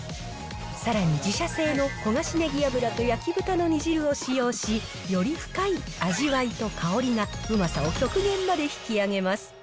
さらに自社製の焦がしネギ油と焼き豚の煮汁を使用し、より深い味わいと香りがいただきます。